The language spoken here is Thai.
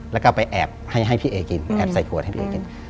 แล้วก็ไปแอบให้พี่เอกินแอบใส่ขวดให้พี่เอกิน